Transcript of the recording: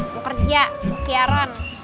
mau kerja kesiaran